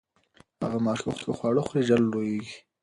هغه ماشوم چې ښه خواړه خوري، ژر لوییږي.